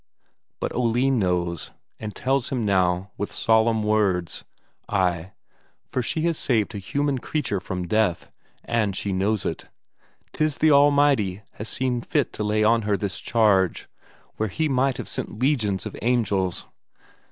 But Oline knows, and tells him now with solemn words; ay, for she has saved a human creature from death, and she knows it; 'tis the Almighty has seen fit to lay on her this charge, where He might have sent legions of angels.